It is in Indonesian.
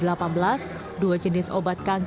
berdasarkan keputusan menteri kesehatan yang tadi